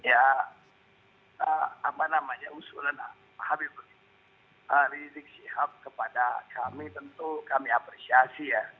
ya apa namanya usulan pak habib rizik sihab kepada kami tentu kami apresiasi ya